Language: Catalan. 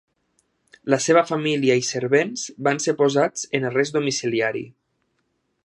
La seva família i servents van ser posats en arrest domiciliari.